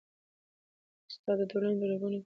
استاد د ټولني په رګونو کي د علم او شعور وینه چلوي.